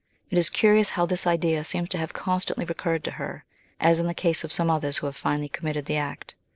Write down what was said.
It is curious how this idea seems to have constantly recurred to her, as iu the case of some others who have finally committed the act.